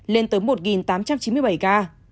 lên tới một tám trăm chín mươi bảy ca